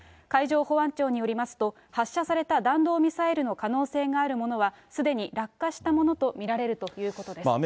海上保安庁によりますと、発射された弾道ミサイルの可能性があるものは、すでに落下したものと見られるということです。